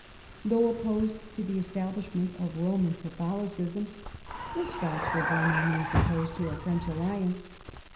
Though opposed to the establishment of Eoman Catholicism, the Scots were by no means opposed to a French alliance.